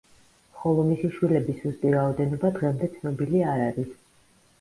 ხოლო მისი შვილების ზუსტი რაოდენობა დღემდე ცნობილი არ არის.